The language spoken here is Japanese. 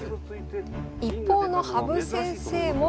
一方の羽生先生も。